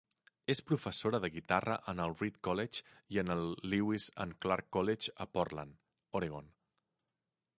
És professora de guitarra en el Reed College i en el Lewis and Clark College a Portland, Oregon.